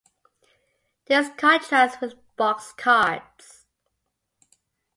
This contrasts with boxed cards.